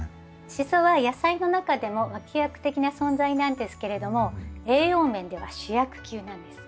シソは野菜の中でも脇役的な存在なんですけれども栄養面では主役級なんです。